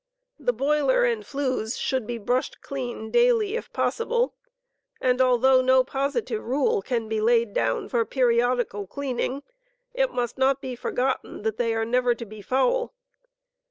The boiler and fines should be brushed clean daily, if possible, , and although no positive rule can be lpid down for periodical cleaning, it must not be forgotten that they are never to be foul.